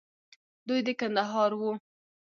دوى د کندهار وو.